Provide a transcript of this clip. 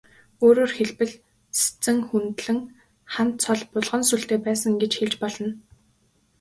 Өөрөөр хэлбэл, Сэцэн хүндлэн хан цол булган сүүлтэй байсан гэж хэлж болно.